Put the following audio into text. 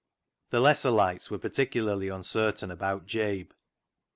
The lesser lights were particularly uncertain about Jabe.